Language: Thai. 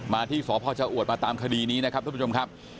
ที่สพชะอวดมาตามคดีนี้นะครับทุกผู้ชมครับ